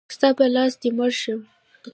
ستا په لاس دی مړ شم.